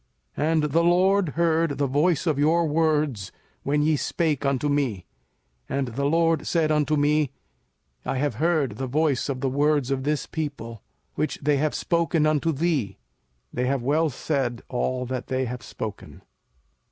05:005:028 And the LORD heard the voice of your words, when ye spake unto me; and the LORD said unto me, I have heard the voice of the words of this people, which they have spoken unto thee: they have well said all that they have spoken.